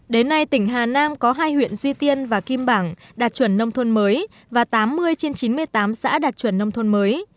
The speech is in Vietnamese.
đến nay tỉnh hà nam có hai huyện duy tiên và kim bảng đạt chuẩn nông thôn mới và tám mươi trên chín mươi tám xã đạt chuẩn nông thôn mới